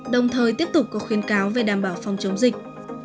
đồng thời tiếp tục có khuyến cáo về đảm bảo phòng chống dịch